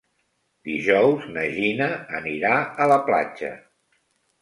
Dijous na Gina anirà a la platja.